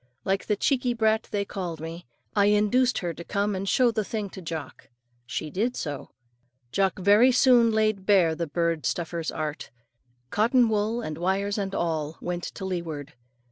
Like the cheeky brat they called me, I induced her to come and show the thing to Jock. She did so. Jock very soon laid bare the bird stuffer's art. Cotton wool and wires and all went to leeward.